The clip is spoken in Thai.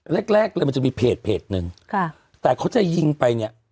แรกเลยจะมีเภสเพจนึงแต่เขาจะยิงไปเนี่ย